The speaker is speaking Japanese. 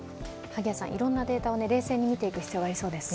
いろんなデータを冷静に見ていく必要がありそうですね。